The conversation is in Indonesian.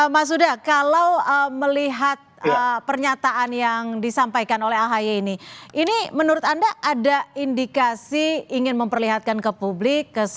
mas huda kalau melihat pernyataan yang disampaikan oleh ahy ini ini menurut anda ada indikasi ingin memperlihatkan ke publik